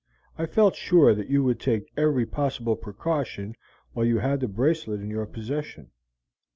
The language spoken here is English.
I felt sure that you would take every possible precaution while you had the bracelet in your possession.